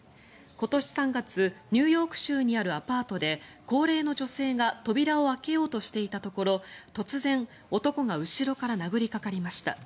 今年３月ニューヨーク州にあるアパートで高齢の女性が扉を開けようとしていたところ突然、男が後ろから殴りかかりました。